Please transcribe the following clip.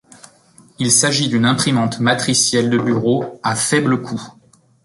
Il s'agit d'une imprimante matricielle de bureau à faible coût.